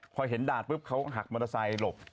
พอเห็นดาทเนื้อพวกเขาหักมอเตอร์ไซต์หลบ